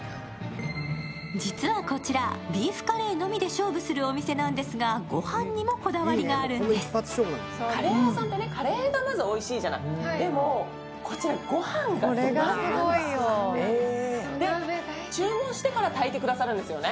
実はこちらビーフカレーのみで勝負するお店なんですがご飯にもこだわりがあるんですカレー屋さんってねカレーがまずおいしいじゃないでもこちらご飯が土鍋なんですよで注文してから炊いてくださるんですよね？